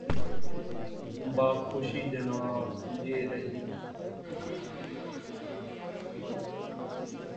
بخوشی جناب، یہ رہی۔